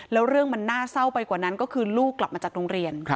แล้วเรื่องมันน่าเศร้าไปกว่านั้นก็คือลูกกลับมาจากโรงเรียน